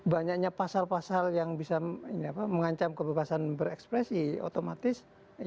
banyaknya pasal pasal yang bisa mengancam kebebasan berekspresi otomatis